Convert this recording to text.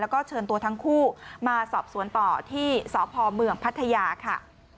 แล้วก็เชิญตัวทั้งคู่มาสอบสวนต่อที่สพเมืองพัทยาค่ะ